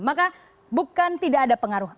maka bukan tidak ada pengaruh